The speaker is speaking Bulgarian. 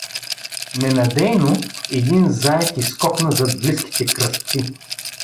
Ненадейно един заек изскокна зад близките кръстци.